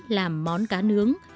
làm món cá nướng